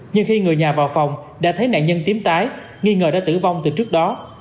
nhưng khi người nhà vào phòng đã thấy nạn nhân tím tái nghi ngờ đã tử vong từ trước đó